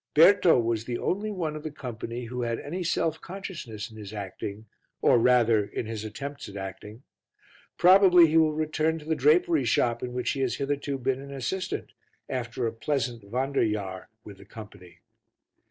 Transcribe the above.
Berto was the only one of the company who had any self consciousness in his acting or, rather, in his attempts at acting. Probably he will return to the drapery shop in which he has hitherto been an assistant, after a pleasant wanderjahr with the company.